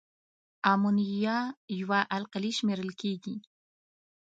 امونیا یوه القلي شمیرل کیږي.